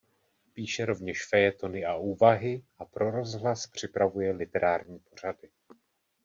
Píše rovněž fejetony a úvahy a pro rozhlas připravuje literární pořady.